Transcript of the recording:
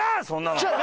そんなの。